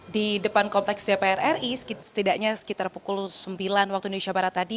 di depan kompleks dpr ri setidaknya sekitar pukul sembilan waktu indonesia barat tadi